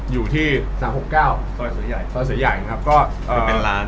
อยู่ที่๓๖๙ซอยเสือใหญ่